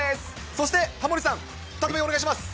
そしてタモリさん、再びお願いします。